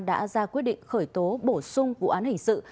đã ra quyết định khởi tố bổ sung vụ án hình sự